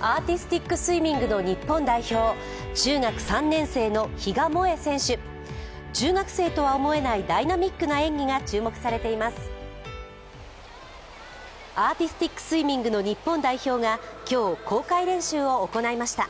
アーティスティックスイミングの日本代表が今日、公開練習を行いました。